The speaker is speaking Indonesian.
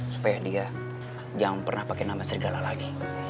supaya dia jangan pernah pakai nama segala lagi